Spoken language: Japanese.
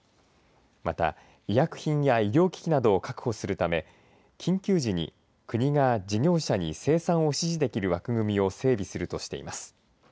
また、医薬品や医療機器などを確保するため、緊急時に国が事業者に生産を指示できる枠組みを整備するとしています。